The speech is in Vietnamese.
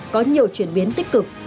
có nhiều chuyển biến tích cực